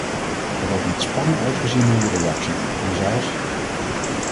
Er wordt met spanning uitgezien naar uw reactie, commissaris.